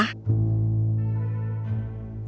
aku tidak bisa mencari makanan